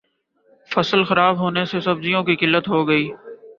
فصل خراب ہونے سے سبزیوں کی قلت ہوگئی